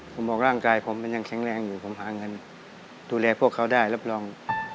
ผมบอกร่างกายผมมันยังแข็งแรงอยู่ผมหาเงินดูแลพวกเขาได้รับรอง